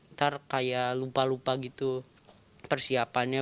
ntar kayak lupa lupa gitu persiapannya